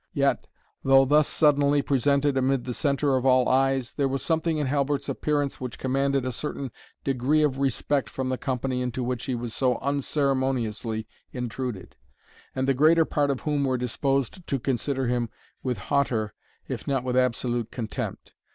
Yet, though thus suddenly presented amid the centre of all eyes, there was something in Halbert's appearance which commanded a certain degree of respect from the company into which he was so unceremoniously intruded, and the greater part of whom were disposed to consider him with hauteur if not with absolute contempt.